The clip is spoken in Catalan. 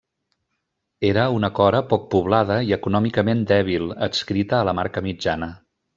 Era una cora poc poblada i econòmicament dèbil, adscrita a la Marca Mitjana.